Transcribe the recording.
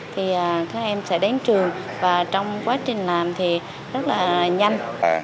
thì các em sẽ đến trường và trong quá trình làm thì rất là nhanh